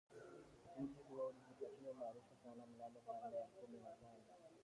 Mji huo ulijipatia umaarufu sana mnamo karne ya kumi na tano